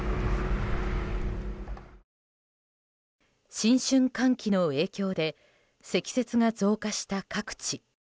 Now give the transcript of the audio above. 新春寒気の影響で積雪が増加した各地。